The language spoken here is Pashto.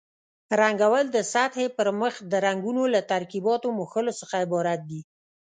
رنګول د سطحې پر مخ د رنګونو له ترکیباتو مښلو څخه عبارت دي.